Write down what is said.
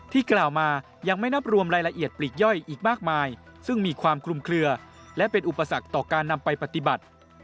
กล่าวมายังไม่นับรวมรายละเอียดปลีกย่อยอีกมากมายซึ่งมีความคลุมเคลือและเป็นอุปสรรคต่อการนำไปปฏิบัติ